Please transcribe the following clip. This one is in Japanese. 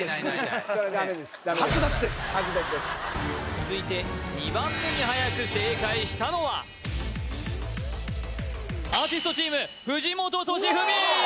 続いて２番目にはやく正解したのはアーティストチーム藤本敏史うおーっ！